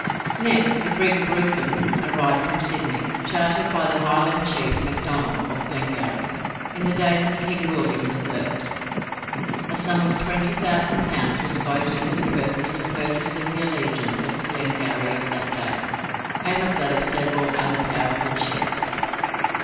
Next the brig 'Bruthen' arrived from Sydney, chartered by the Highland chief Macdonnell, of Glengarry. In the days of King William III. a sum of 20,000 pounds was voted for the purpose of purchasing the allegiance of the Glengarry of that day, and of that of several other powerful chiefs.